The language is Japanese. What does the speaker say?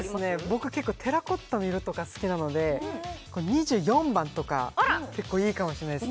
僕結構テラコッタの色とか好きなので２４番とか結構いいかもしれないですね